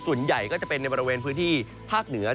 ส่วนใหญ่ก็จะเป็นในบริเวณพื้นที่ภาคเหนือ